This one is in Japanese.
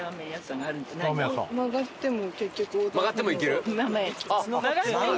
曲がっても行ける？